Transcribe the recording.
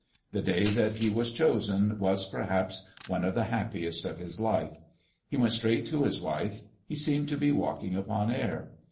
The day that he was chosen was, perhaps, one of the happiest of his life. He went straight to his wife; he seemed to be walking upon air.